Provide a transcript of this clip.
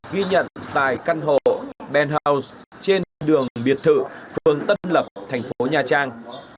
ghi nhận tại căn hộ ben house trên đường biệt thự phường tân lập thành phố nha trang